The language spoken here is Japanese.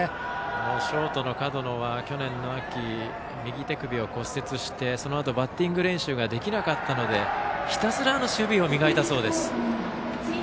ショートの門野は去年の秋、右手首を骨折してそのあとバッティング練習ができなかったのでひたすら守備を磨いたそうです。